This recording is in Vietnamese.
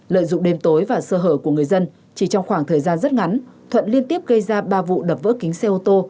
lợi dụng đêm tối và sơ hở của người dân chỉ trong khoảng thời gian rất ngắn thuận liên tiếp gây ra ba vụ đập vỡ kính xe ô tô